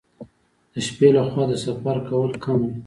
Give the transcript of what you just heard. د شپې لخوا د سفر کول کم وي.